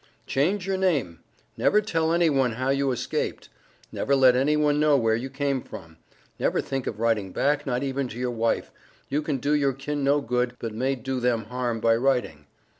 "Change your name." "Never tell any one how you escaped." "Never let any one know where you came from." "Never think of writing back, not even to your wife; you can do your kin no good, but may do them harm by writing."